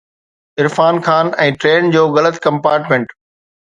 Irfan Khan ۽ train جو غلط compartment